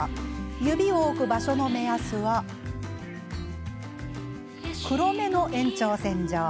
指を置く場所の目安は黒目の延長線上。